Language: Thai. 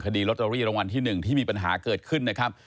คดีลอตเตอรี่รางวัลที่๑ที่มีปัญหาเกิดขึ้นนะครับ